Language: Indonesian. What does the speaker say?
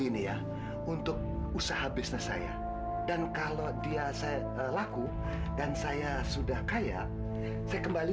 ini ya untuk usaha bisnis saya dan kalau dia saya laku dan saya sudah kaya saya kembali